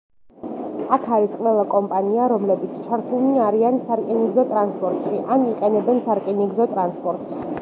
აქ არის ყველა კომპანია, რომელებიც ჩართულნი არიან სარკინიგზო ტრანსპორტში, ან იყენებენ სარკინიგზო ტრანსპორტს.